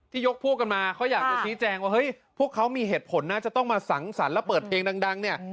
ยกพวกกันมาเขาอยากจะชี้แจงว่าเฮ้ยพวกเขามีเหตุผลน่าจะต้องมาสังสรรค์แล้วเปิดเพลงดังเนี่ย